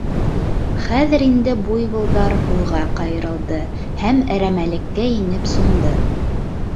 Хәҙер инде буйволдар һулға ҡайырылды һәм әрәмәлеккә инеп сумды.